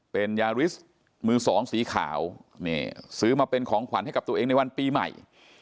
เป็นยาริสมือสองสีขาวนี่ซื้อมาเป็นของขวัญให้กับตัวเองในวันปีใหม่